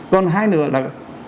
còn hai nữa là